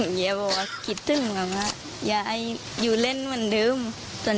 เขาพี่เธอบอกว่าคิดตื่นมันรู้อยากได้อยู่เล่นวันเดิมตอน